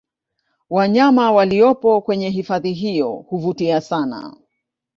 Wanyama waliopo kwenye hifadhi hiyo huvutia sana